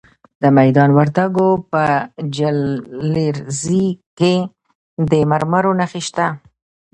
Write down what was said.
د میدان وردګو په جلریز کې د مرمرو نښې شته.